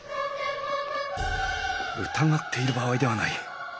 疑っている場合ではない。